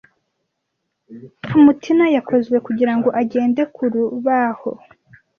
Mutineer yakozwe kugirango agende ku rubaho.